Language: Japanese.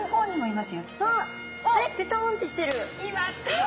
いました！